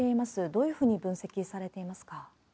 どういうふうに分析をされていますか？